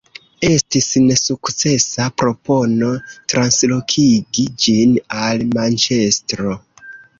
Estis nesukcesa propono translokigi ĝin al Manĉestro.